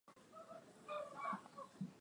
ugonjwa wa malaria unazuilika na unatibika